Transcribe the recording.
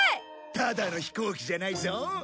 ただの飛行機じゃないぞ。